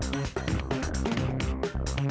tidak ada silapan